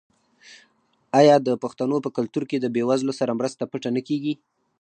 آیا د پښتنو په کلتور کې د بې وزلو سره مرسته پټه نه کیږي؟